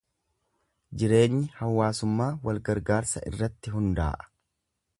Jireenyi hawaasummaa wal-gargaarsa irratti hundaa'a.